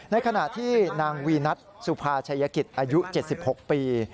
ในขณะที่นางวีนัทสุภาชัยกิจอายุ๗๖ปี